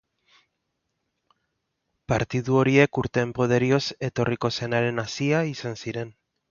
Partidu horiek urteen poderioz etorriko zenaren hazia izan ziren.